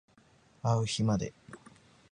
あう日まで